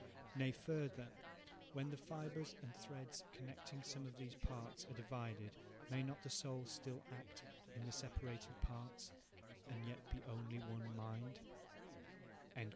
Nay, further, when the fibres and threads connecting some of these parts are divided, may not the soul still act in the separated parts, and yet be only one mind?"